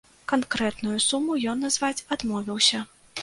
Канкрэтную суму ён назваць адмовіўся.